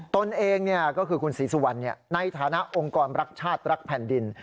ตนเองก็คือคุณศรีสุวรรณในฐานะองค์กรรักชาติรักแผ่นดิน